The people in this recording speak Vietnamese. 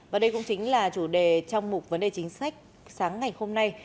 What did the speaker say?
và đây cũng chính là chủ đề trong mục vấn đề chính sách sáng ngày hôm nay